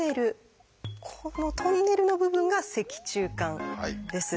このトンネルの部分が「脊柱管」です。